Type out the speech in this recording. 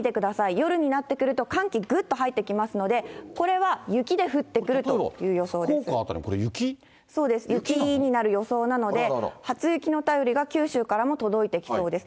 夜になってくると、寒気、ぐっと入ってきますので、これは雪で降福岡辺り、そうです、雪になる予想なので、初雪の便りが九州からも届いてきそうです。